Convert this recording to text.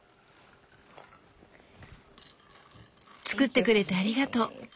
作ってくれてありがとう。